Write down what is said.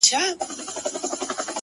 چي بیا به څه ډول حالت وي؛ د ملنگ؛